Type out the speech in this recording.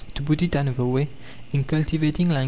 To put it another way: in cultivating like M.